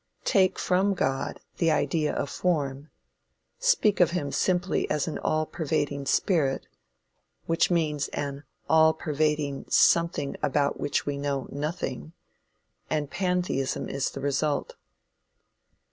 Take from God the idea of form; speak of him simply as an all pervading spirit which means an all pervading something about which we know nothing and Pantheism is the result.